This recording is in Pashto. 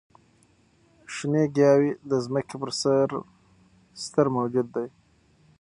شنې ګیاوې د ځمکې پر سر ستر موجود دي.